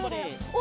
お！